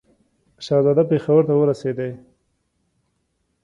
شهزاده پېښور ته ورسېدی.